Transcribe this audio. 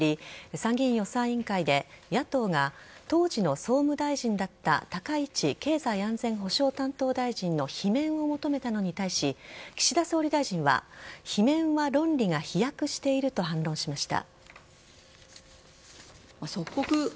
参議院予算委員会で野党が当時の総務大臣だった高市経済安全保障担当大臣の罷免を求めたのに対し岸田総理大臣は罷免は論理が飛躍していると反論しました。